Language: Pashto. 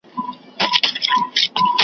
دا لاله دا سره ګلونه .